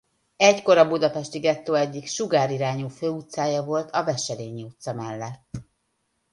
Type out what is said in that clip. Egykor a budapesti gettó egyik sugárirányú főutcája volt a Wesselényi utca mellett.